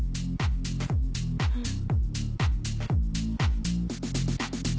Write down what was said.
うん。